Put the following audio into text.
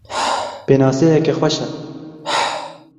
Pênaseyeke xweş e.